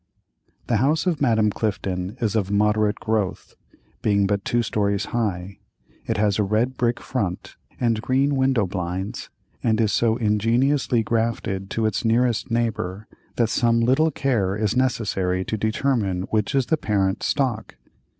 The house of Madame Clifton is of moderate growth, being but two stories high; it has a red brick front and green window blinds, and is so ingeniously grafted to its nearest neighbor that some little care is necessary to determine which is the parent stock.